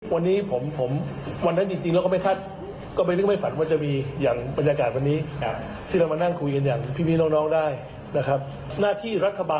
ระหว่างหน่วยงานราชการที่ขึ้นตรงอยู่กับผมเองนะครับ